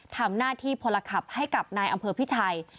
ทำหน้าที่พลขับให้กับนายอำเภอพิชัย